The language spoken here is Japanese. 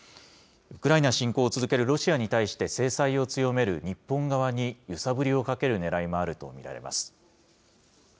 ウクライナ侵攻を続けるロシアに対して制裁を強める日本側に揺さぶりをかけるねらいもあると見られます。